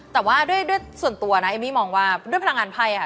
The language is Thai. แต่ว่าด้วยส่วนตัวนะเอมมี่มองว่าด้วยพลังงานไพ่ค่ะ